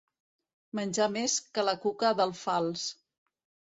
Menjar més que la cuca d'alfals.